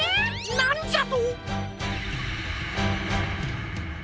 なんじゃと！